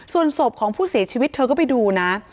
ส่วนศพของผู้เสียชีวิตเธอก็ไปดูนะ